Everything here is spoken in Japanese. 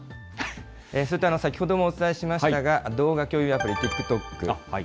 それと先ほどもお伝えしましたが、動画共有アプリ、ＴｉｋＴｏｋ。